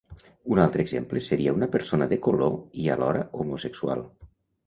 Un altre exemple seria una persona de color i alhora homosexual.